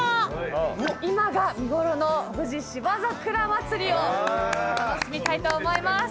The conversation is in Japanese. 今が見頃の富士芝桜まつりを楽しみたいと思います。